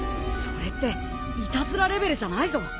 それっていたずらレベルじゃないぞ。